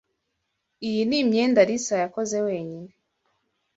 Iyi ni imyenda Alice yakoze wenyine.